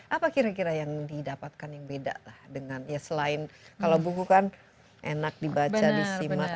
apa kira kira yang didapatkan yang beda lah dengan ya selain kalau buku kan enak dibaca disimak